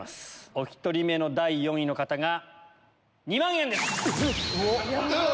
お１人目の第４位の方が２万円です。